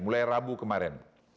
mulai rabu kemarin